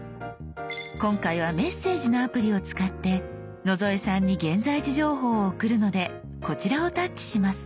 今回は「メッセージ」のアプリを使って野添さんに現在地情報を送るのでこちらをタッチします。